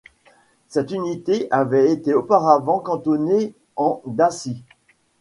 Cette unité avait été auparavant cantonnée en Dacie.